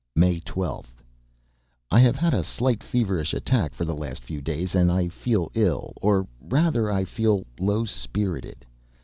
May 12th. I have had a slight feverish attack for the last few days, and I feel ill, or rather I feel low spirited.